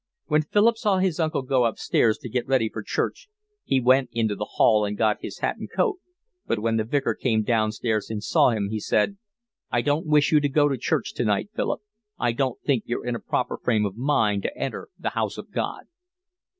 When Philip saw his uncle go upstairs to get ready for church he went into the hall and got his hat and coat, but when the Vicar came downstairs and saw him, he said: "I don't wish you to go to church tonight, Philip. I don't think you're in a proper frame of mind to enter the House of God."